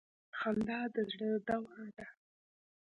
خندا د زړه دوا ده.